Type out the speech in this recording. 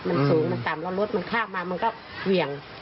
มันสูงมันต่ำแล้วรถมันข้ามมามันก็เหวี่ยง